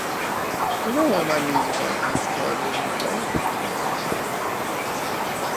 I don't want my music on a kid's television show!